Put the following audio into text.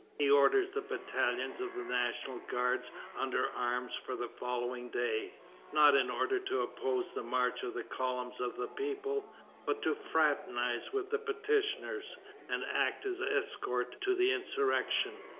He orders the battalions of National Guards under arms for the following day, not in order to oppose the march of the columns of the people, but to fraternize with the petitioners, and act as escort to the insurrection.